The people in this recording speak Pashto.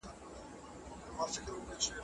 قلم او ليکوالي به مروج نه و.